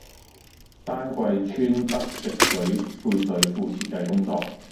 丹桂村北食水配水庫設計工作